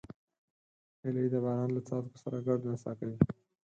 هیلۍ د باران له څاڅکو سره ګډه نڅا کوي